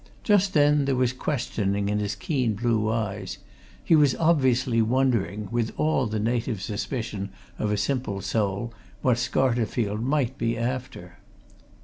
Just then there was questioning in his keen blue eyes he was obviously wondering, with all the native suspicion of a simple soul, what Scarterfield might be after.